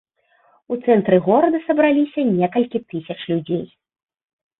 У цэнтры горада сабраліся некалькі тысяч людзей.